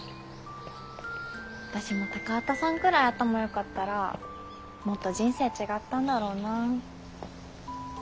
私も高畑さんくらい頭よかったらもっと人生違ったんだろうな。